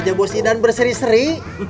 wajah bos idan berseri seri